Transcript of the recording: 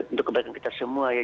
untuk kebaikan kita semua ya